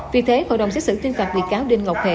vì thế hội đồng xét xử tuyên phạt bị cáo đinh ngọc hệ